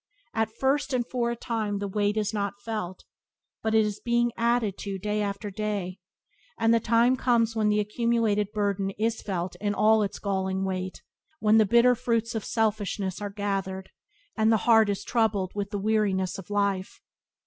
At first, and for a time, the weight is not felt; but it is being added to day after day, and the time comes when the accumulated burden is felt in all its galling weight, when the bitter fruits of selfishness are gathered, and the heart is troubled with the weariness of life.